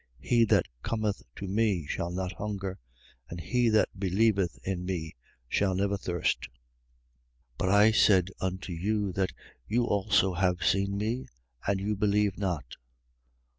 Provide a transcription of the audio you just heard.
He that cometh to me shall not hunger: and he that believeth in me shall never thirst. 6:36. But I said unto you that you also have seen me, and you believe not.